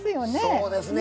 そうですね。